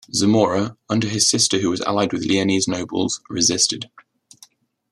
Zamora, under his sister who was allied with Leonese nobles, resisted.